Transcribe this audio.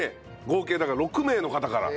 合計だから６名の方から。